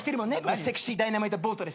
セクシーダイナマイトボートレース。